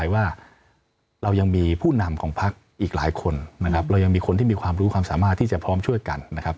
ว่าเรายังมีผู้นำของพักอีกหลายคนนะครับเรายังมีคนที่มีความรู้ความสามารถที่จะพร้อมช่วยกันนะครับ